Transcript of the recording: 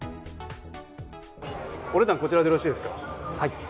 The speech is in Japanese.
お値段、こちらでよろしいですか？